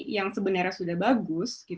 yang sebenarnya sudah bagus